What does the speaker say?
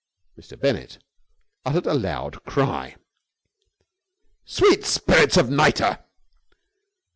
Mr. Bennett uttered a loud cry. "Sweet spirits of nitre!"